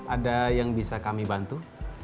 ada yang bisa kami bantu